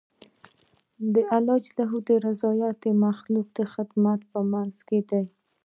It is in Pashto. د الله رضا د مخلوق د خدمت په منځ کې ده.